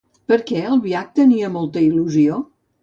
Per què Albiach tenia molta il·lusió?